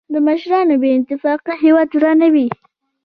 د مشرانو بې اتفاقي هېواد ورانوي.